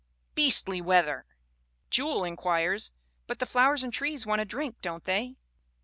" 'Beastly weather.' ' Jewel inquires: " 'But the flowers and trees want a drink, don't they?'